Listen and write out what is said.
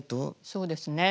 そうですね。